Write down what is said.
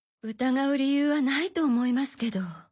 疑う理由はないと思いますけど。